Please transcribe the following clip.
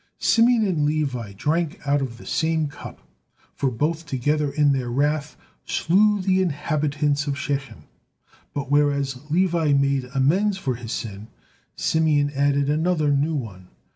Simeon and Levi "drank out of the same cup," for both together in their wrath slew the inhabitants of Shechem, but whereas Levi made amends for his sin, Simeon added another new one.